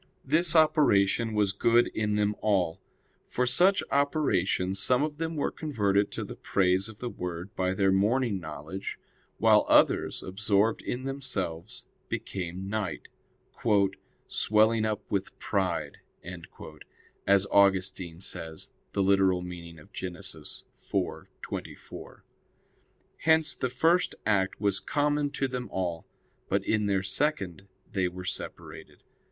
This operation was good in them all. From such operation some of them were converted to the praise of the Word by their morning knowledge while others, absorbed in themselves, became night, "swelling up with pride," as Augustine says (Gen. ad lit. iv, 24). Hence the first act was common to them all; but in their second they were separated.